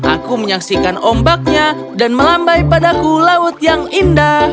aku menyaksikan ombaknya dan melambai padaku laut yang indah